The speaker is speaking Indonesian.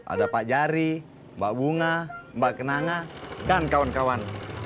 ada pak jari mbak bunga mbak kenanga dan kawan kawan